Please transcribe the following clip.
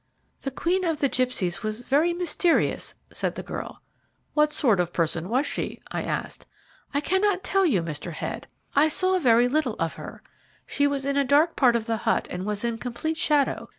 "The Queen of the Gipsies was very mysterious," said the girl. "What sort of person was she?" I asked. "I cannot tell you, Mr. Head; I saw very little of her. She was in a dark part of the hut and was in complete shadow.